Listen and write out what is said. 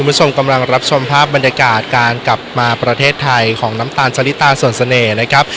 คุณผู้ชมกำลังรับชมภาพบรรยากาศการกลับมาประเทศไทยของน้ำตาลสลิตาส่วนเสน่ห์นะครับ